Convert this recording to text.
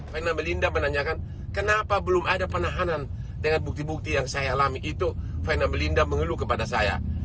vena melinda menanyakan kenapa belum ada penahanan dengan bukti bukti yang saya alami itu vena melinda mengeluh kepada saya